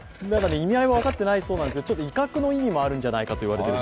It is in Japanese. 意味合いは分かっていないそうなんですが、威嚇の意味もあるんじゃないかと。